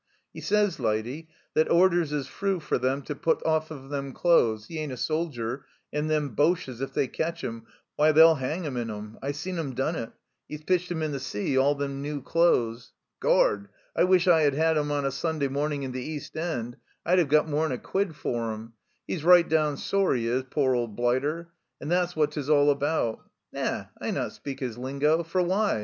" 'E sys, lydy, that orders is froo for 'em to put off of them clothes ; he ain't a soldier, and them Boches, if they cetch 'im, why, they'll 'eng him in 'em. I seen 'im done it. 'E's pitched 'em in the 7 50 THE CELLAR HOUSE OF PERVYSE sea, all them noo clothes. Gord ! 1 wish I had had 'em on a Sunday morning in the East End ! I'd 'ev got more'n a quid for 'em ! 'E's right down sore, 'e is, pore old blighter ! And thet's what 'tis all about. Na, I not speak his lingo for why